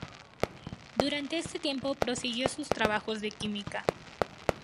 Durante este tiempo prosiguió sus trabajos de química.